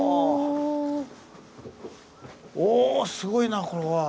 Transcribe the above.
すごいなこれは。